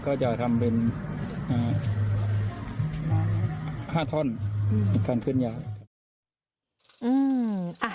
ก็จะทำเป็น๕ท่อนการเคลื่อนย้าย